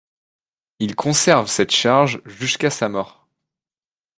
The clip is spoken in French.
Il conserve cette charge jusqu'à sa mort.